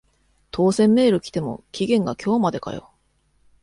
当選メール来ても期限が今日までかよ